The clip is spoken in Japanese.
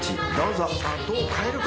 さあどう変えるか？